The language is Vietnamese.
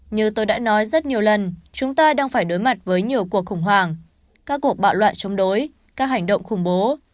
như tôi đã nói rất nhiều lần chúng ta đang phải đối mặt với nhiều cuộc khủng hoảng các cuộc bạo loạn chống đối các hành động khủng bố